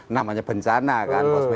namanya bencana kan